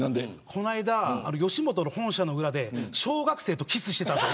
この間、吉本の本社の裏で小学生とキスしてたぞ。